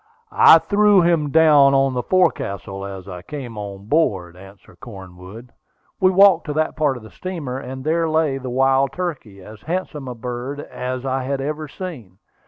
"I threw him down on the forecastle as I came on board," answered Cornwood. We walked to that part of the steamer, and there lay the wild turkey, as handsome a bird as I had ever seen.